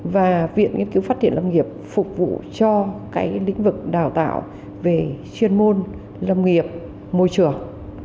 và viện nghiên cứu phát triển lâm nghiệp phục vụ cho cái lĩnh vực đào tạo về chuyên môn lâm nghiệp môi trường